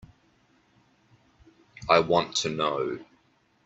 I want to know.